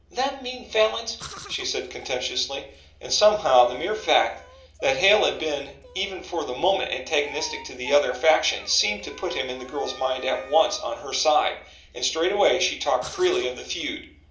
"Them mean Falins!" she said contemptuously, and somehow the mere fact that Hale had been even for the moment antagonistic to the other faction seemed to put him in the girl's mind at once on her side, and straightway she talked freely of the feud.